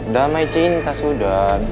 damai cinta sudah